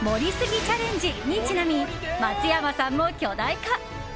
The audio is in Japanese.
チャレンジにちなみ松山さんも巨大化。